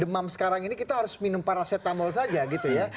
demam sekarang ini kita harus minum paracetamol saja gitu ya